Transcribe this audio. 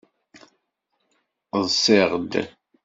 Ḍṣiɣd.